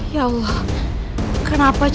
ya allah kenapa cobaan ini terus saja datang